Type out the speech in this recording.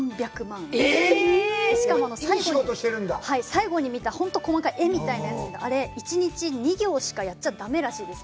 最後に見た本当に細かい絵みたいなやつ、あれ、１日２行しかやっちゃだめらしいです。